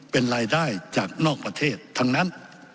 เป็นรายได้จากนอกประเทศทั้งนั้น